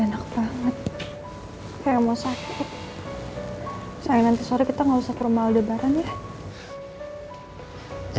sayang nanti sore kita gak usah ke rumah aldebaran ya